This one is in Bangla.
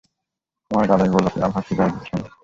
তোমার গালের গোলাপি আভা ফিরে আসবে, সোনা।